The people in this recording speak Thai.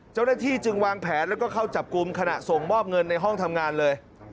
เจ้าหน้าที่จึงวางแผนแล้วก็เข้าจับกลุ่มขณะส่งมอบเงินในห้องทำงานเลย